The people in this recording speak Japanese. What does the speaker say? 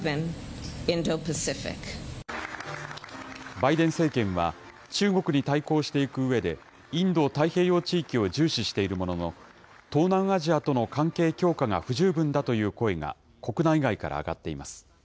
バイデン政権は、中国に対抗していくうえで、インド太平洋地域を重視しているものの、東南アジアとの関係強化が不十分だという声が国内外から上がっています。